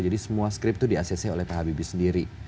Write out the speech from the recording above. jadi semua script itu di asesi oleh pak habibie sendiri